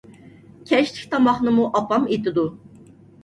كەچلىك تاماقنىمۇ ئاپام ئېتىدۇ.